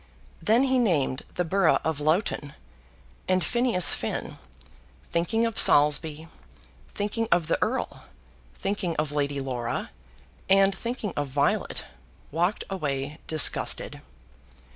Then he named the borough of Loughton; and Phineas Finn, thinking of Saulsby, thinking of the Earl, thinking of Lady Laura, and thinking of Violet, walked away disgusted.